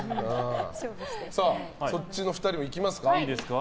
そっちの２人もいきますか。